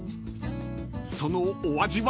［そのお味は？］